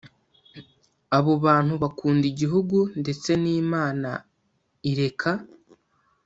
abo bantu bakunda igihugu ndetse n'imana ireka.